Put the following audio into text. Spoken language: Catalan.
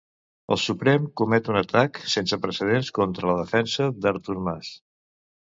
El Suprem comet un atac sense precedents contra la defensa d'Artur Mas.